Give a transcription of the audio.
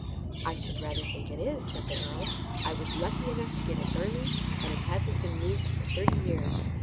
"I should rather think it is," said the earl. "I was lucky enough to get it early, and it hasn't been moved for thirty years.